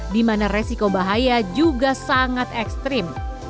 dimana resiko bahaya juga sangat ekstrim